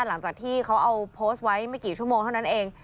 หลังจากที่เขาเอาโพสต์ไว้ไม่กี่ชั่วโมงเท่านั้นเอง